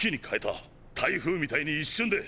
台風みたいに一瞬で！